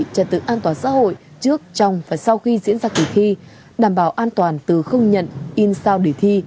trật tự an toàn xã hội trước trong và sau khi diễn ra kỳ thi đảm bảo an toàn từ không nhận in sao để thi